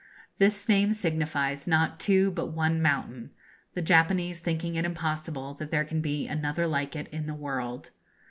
This name signifies 'not two, but one mountain,' the Japanese thinking it impossible that there can be another like it in the world.